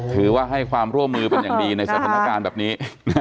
ถือว่าให้ความร่วมมือเป็นอย่างดีในสถานการณ์แบบนี้